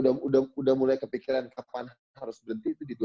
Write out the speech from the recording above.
terus udah mulai kepikiran kapan harus berhenti itu di dua ribu enam belas